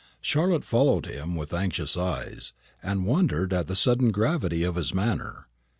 Charlotte followed him with anxious eyes, and wondered at the sudden gravity of his manner.